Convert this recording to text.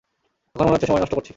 এখন মনে হচ্ছে সময় নষ্ট করছি।